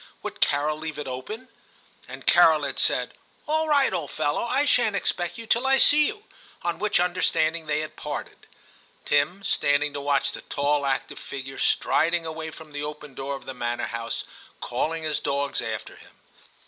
Would Carol i88 TIM CHAP. leave it open ? And Carol had said, ' All right, old fellow ; I shan't expect you till I see you' ; on which understanding they had parted, Tim standing to watch the tall active figure striding away from the open door of the manor house, calling his dogs after him.